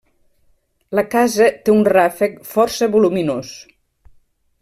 La casa té un ràfec força voluminós.